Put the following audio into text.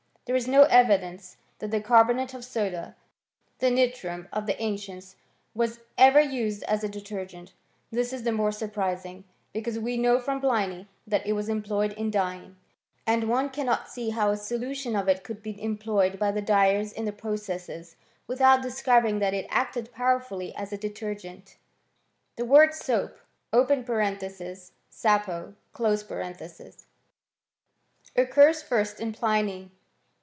There is no evidence that carbonate of soda, the nitrum of the ancients, was ever used as a detergent ; this is the more surprising, because we know from Pliny that it was employed in dyeing, and one cannot see how a solution of it could be employed by the dyers in their processes without discovering that it acted powerfully as a detergent. The word soap (sapo) occurs first in Pliny.